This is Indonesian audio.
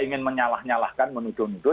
ingin menyalah nyalahkan menuduh nuduh